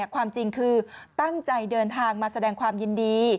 ความจริงคือตั้งใจเดินทางมาแสดงความยินดี